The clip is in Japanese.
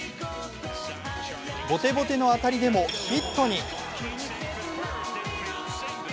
ボテボテの当たりでもヒットに。